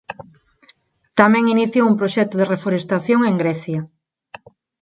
Tamén iniciou un proxecto de reforestación en Grecia.